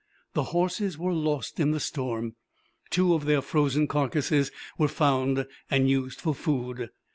The horses were lost in the storm. Two of their frozen carcasses were found and used for food.